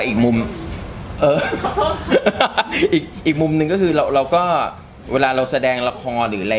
อีกมุมเอออีกอีกมุมหนึ่งก็คือเราก็เวลาเราแสดงละครหรืออะไร